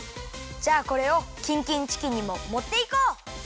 じゃあこれをキンキンチキンにももっていこう！